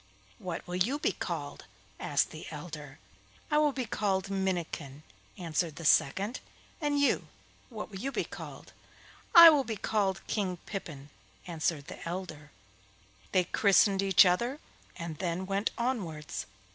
'What will you be called?' asked the elder. 'I will be called Minnikin,' answered the second; 'and you, what will you be called?' 'I will be called King Pippin,' answered the elder. They christened each other and then went onwards.